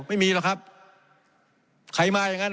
ไม่มีหรอกครับใครมาอย่างนั้น